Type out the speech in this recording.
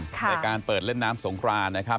ในการเปิดเล่นน้ำสงครานนะครับ